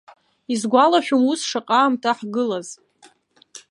Исгәалашәом ус шаҟаамҭа ҳгылаз.